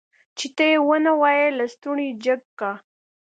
چې ته يې ونه وايي لستوڼی جګ که.